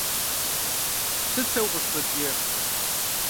Сыт сэ укъыщӏысщӏэкӏиер?